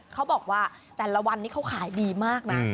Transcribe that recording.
เขาบอกว่าแต่ละวันนี้เขาขายดีมากนะ